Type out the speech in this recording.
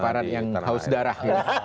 aparat yang haus darah